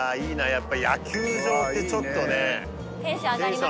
やっぱ野球場ってちょっとねテンション上がりますよね